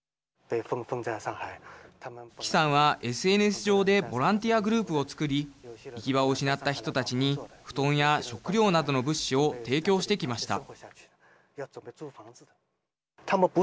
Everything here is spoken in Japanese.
季さんは、ＳＮＳ上でボランティアグループをつくり行き場を失った人たちに布団や食料などの物資を提供してきました。